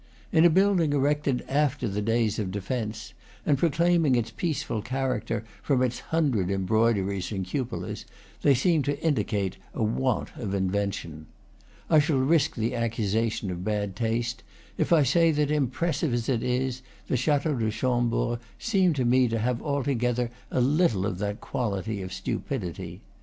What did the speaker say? In a building erected after the days of defence, and proclaiming its peaceful character from its hundred embroideries and cupolas, they seem to indicate a want of invention. I shall risk the ac cusation of bad taste if I say that, impressive as it is, the Chateau de Chambord seemed to me to have al together a little of that quality of stupidity.